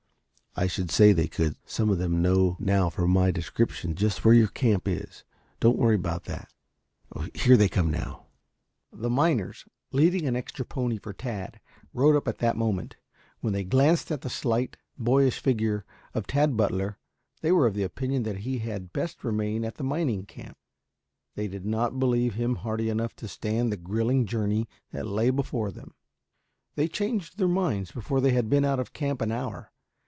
"I should say they could. Some of them know now from my description just where your camp is. Don't worry about that. Here they come now." The miners, leading an extra pony for Tad, rode up at that moment. When they glanced at the slight, boyish figure of Tad Butler they were of the opinion that he had best remain at the mining camp. They did not believe him hardy enough to stand the grilling journey that lay before them. They changed their minds before they had been out of camp an hour.